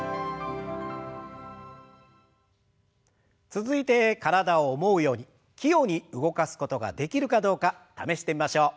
続いて体を思うように器用に動かすことができるかどうか試してみましょう。